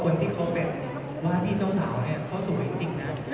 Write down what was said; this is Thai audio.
เขาเป็นวาที่เจ้าสาวเนี่ยเขาสวยจริงจริงนะ